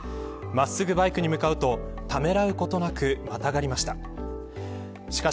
真っすぐバイクに向かうとためらうことなくまたがりました。